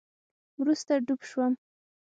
وروسته ډوب شوم